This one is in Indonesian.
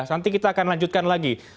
nanti kita akan lanjutkan lagi